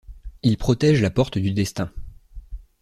Ils protègent la Porte du Destin.